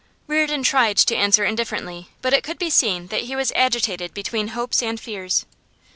Reardon tried to answer indifferently, but it could be seen that he was agitated between hopes and fears.